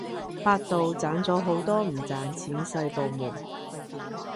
百度斬咗好多唔賺錢細部門